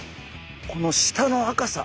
この下の赤さ。